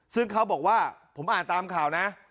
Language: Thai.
ซึ่งเขาบอกว่าผมอ่านตามข่าวนะ